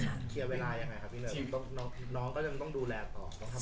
เคลียร์เวลาอย่างไร